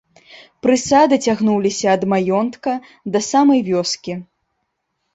Прысады цягнуліся ад маёнтка да самай вёскі.